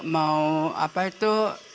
mau apa itu